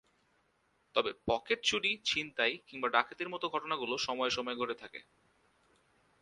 তবে পকেট চুরি, ছিনতাই কিংবা ডাকাতির মতো ঘটনাগুলো সময়ে সময়ে ঘটে থাকে।